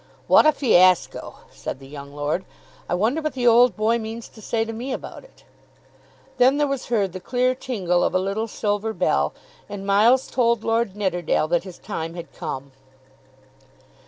"What a fiasco!" said the young lord, "I wonder what the old boy means to say to me about it." Then there was heard the clear tingle of a little silver bell, and Miles told Lord Nidderdale that his time had come.